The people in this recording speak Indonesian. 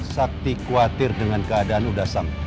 sakti khawatir dengan keadaan uda sam